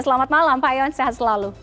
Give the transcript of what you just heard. selamat malam pak ion sehat selalu